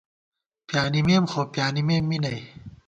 پیانِمېم خو پیانِمېم می نئ